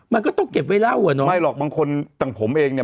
มันก็ต้องเก็บไว้เล่าอ่ะเนาะไม่หรอกบางคนต่างผมเองเนี่ย